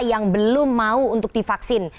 yang belum mau untuk divaksin